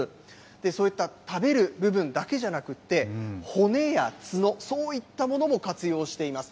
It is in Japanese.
そういった食べる部分だけじゃなくて、骨や角、そういったものも活用しています。